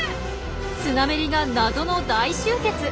スナメリが謎の大集結！